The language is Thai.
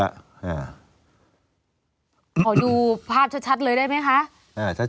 ขอดูภาพชัดเลยได้ไหมคะ